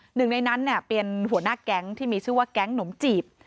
หนึ่งในนั้นเป็นหัวหน้าแก๊งที่มีชื่อว่าแก๊งหนมจีบ